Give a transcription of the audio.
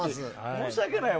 申し訳ない。